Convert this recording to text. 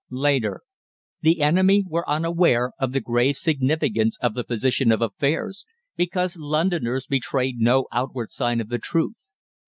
"Later. "The enemy were unaware of the grave significance of the position of affairs, because Londoners betrayed no outward sign of the truth.